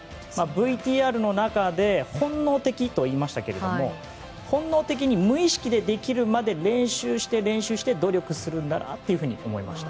ＶＴＲの中で本能的といいましたけど本能的に無意識でできるまで練習して、練習して努力するんだなっていうふうに思いました。